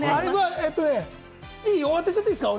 えっとね、終わっちゃっていいですか？